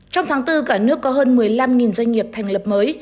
trong tháng bốn cả nước có hơn một mươi năm doanh nghiệp thành lập mới